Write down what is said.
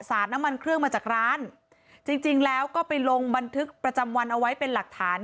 น้ำมันเครื่องมาจากร้านจริงจริงแล้วก็ไปลงบันทึกประจำวันเอาไว้เป็นหลักฐาน